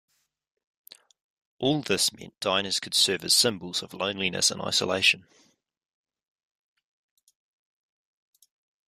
All this meant diners could serve as symbols of loneliness and isolation.